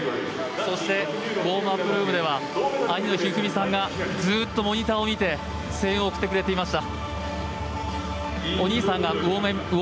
そしてウォームアップルームでは兄の一二三選手がずっとモニターを見て声援を送ってくれていました。